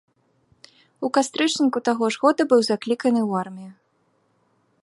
У кастрычніку таго ж года быў закліканы ў армію.